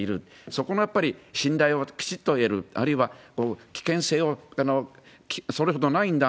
そこのやっぱり信頼をきちっと得る、あるいは危険性をそれほどないんだ、